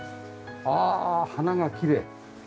ああ花がきれい。